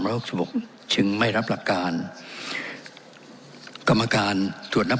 หกสิบหกจึงไม่รับหลักการกรรมการตรวจนับ